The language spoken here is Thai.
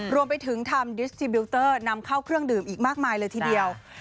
รวมไปถึงทำดิสติบิลเตอร์นำเข้าเครื่องดื่มอีกมากมายเลยทีเดียว